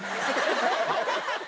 ハハハハ。